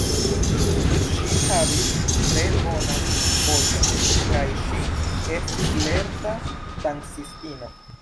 Ŝi havis tre bonan voĉon kaj ŝi estis lerta dancistino.